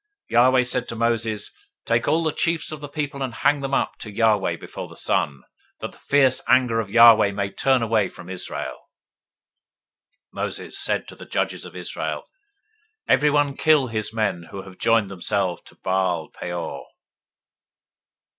025:004 Yahweh said to Moses, Take all the chiefs of the people, and hang them up to Yahweh before the sun, that the fierce anger of Yahweh may turn away from Israel. 025:005 Moses said to the judges of Israel, Kill you everyone his men who have joined themselves to Baal Peor.